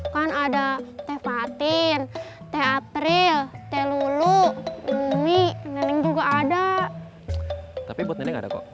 kan ada tepatin teatril telulu demi demi neng juga ada tapi buatnya enggak ada kok